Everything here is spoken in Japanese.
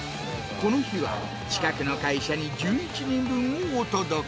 この日は、近くの会社に１１人分をお届け。